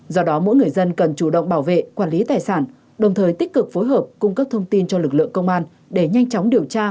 do đó mỗi người dân cần chủ động bảo vệ quản lý tài sản đồng thời tích cực phối hợp cung cấp thông tin cho lực lượng công an để nhanh chóng điều tra